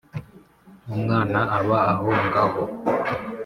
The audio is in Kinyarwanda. umwana aba ahongaho;